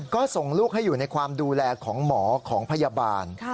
ก็ส่งลูกให้อยู่ในความดูแลของหมอของพยาบาล